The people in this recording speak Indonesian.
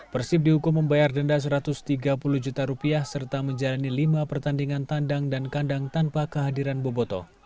persib dihukum membayar denda rp satu ratus tiga puluh juta rupiah serta menjalani lima pertandingan tandang dan kandang tanpa kehadiran boboto